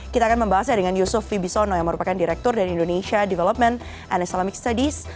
kita akan membahasnya dengan yusuf vibisono yang merupakan direktur dari indonesia development and islamic studies